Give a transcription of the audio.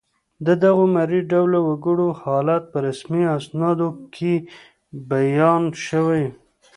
د دغو مري ډوله وګړو حالت په رسمي اسنادو کې بیان شوی